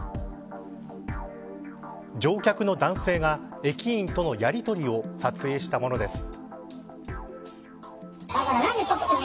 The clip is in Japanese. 乗客の男性が駅員とのやりとりを撮影したものです。